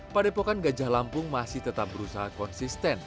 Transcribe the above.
padepokan gajah lampung masih tetap berusaha konsisten